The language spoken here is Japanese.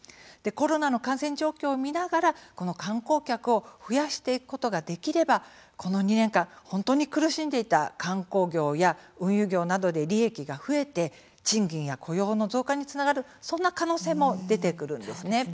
コロナの感染状況を見ながら観光客を増やしていくことができれば、この２年間本当に苦しんでいた観光業や運輸業などで利益が増えて賃金や雇用の増加につながるそんな可能性も出てくるんです。